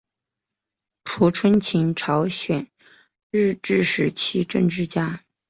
朴春琴朝鲜日治时期政治家。